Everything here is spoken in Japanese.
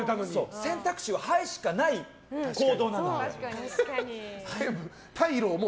選択肢は「はい」しかない行動なの。